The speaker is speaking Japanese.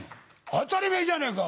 当たり前じゃねえか！